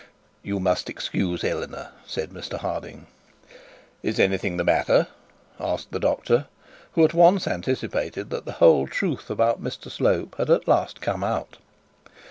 'You must excuse Eleanor,' said Mr Harding. 'Is anything the matter?' asked the doctor, who at once anticipated that the whole truth about Mr Slope had at last come out.